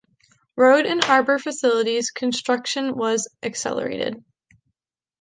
Road and harbor facilities construction was accelerated.